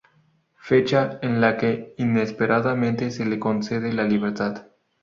Fecha en la que inesperadamente se le concede la libertad.